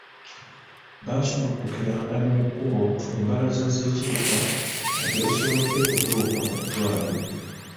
Baasumulukukiranga ne mu kkubo ku mbalaza z’ekibuga nga tebasobodde kutuuka mu ddwaliro.